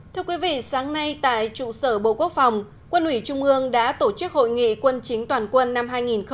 thưa quý vị sáng nay tại trụ sở bộ quốc phòng quân ủy trung ương đã tổ chức hội nghị quân chính toàn quân năm hai nghìn hai mươi